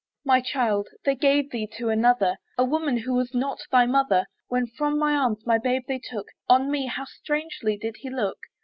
My child! they gave thee to another, A woman who was not thy mother. When from my arms my babe they took, On me how strangely did he look!